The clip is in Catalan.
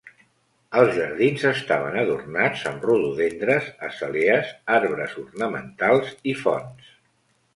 Els jardins estaven adornats amb rododendres, azalees, arbres ornamentals i fonts.